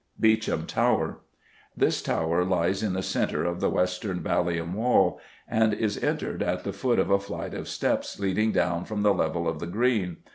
Beauchamp Tower. This tower lies in the centre of the western Ballium Wall, and is entered at the foot of a flight of steps leading down from the level of the Green.